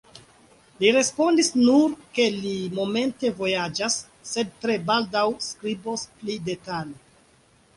Li respondis nur, ke li momente vojaĝas, sed tre baldaŭ skribos pli detale.